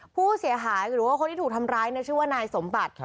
ผู้เสียหายหรือว่าคนที่ถูกทำร้ายชื่อว่านายสมบัติ